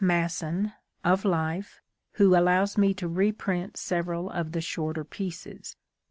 Masson, of Life, who allows me to reprint several of the shorter pieces.